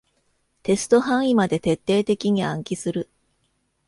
テスト範囲まで徹底的に暗記する